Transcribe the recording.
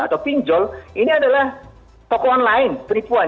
atau pinjol ini adalah toko online penipuan